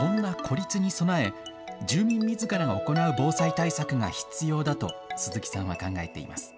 なぎさニュータウンではそんな孤立に備え住民みずからが行う防災対策が必要だと鈴木さんは考えています。